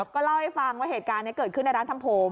ก็เล่าให้ฟังว่าเหตุการณ์นี้เกิดขึ้นในร้านทำโพง